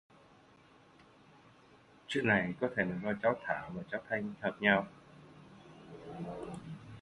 Chuyện này Có Thể Là do cháu Thảo và cháu thanh hợp nhau